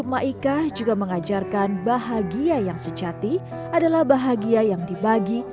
saat mengambil kekuatan untuk ibu maika menggambarkan hangganan kekuatan dan jika tidak dapat untuk kebuatan atau kekuatan